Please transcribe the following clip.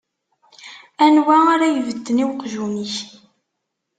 Anwa ara ibedden i uqjun-ik?